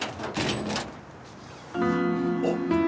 あっ！